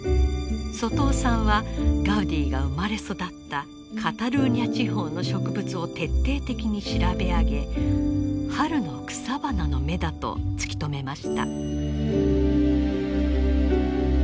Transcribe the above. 外尾さんはガウディが生まれ育ったカタルーニャ地方の植物を徹底的に調べ上げ春の草花の芽だと突き止めました。